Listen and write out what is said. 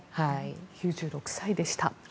９６歳でした。